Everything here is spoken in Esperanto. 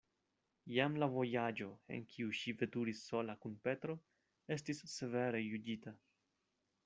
Jam la vojaĝo, en kiu ŝi veturis sola kun Petro, estis severe juĝita.